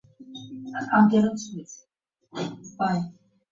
Credit is sometimes not granted to a buyer who has financial instability or difficulty.